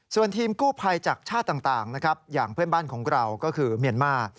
ส่วนทีมกู้ภัยจากชาติต่างนะครับอย่างเพื่อนบ้านของเราก็คือเมียนมาร์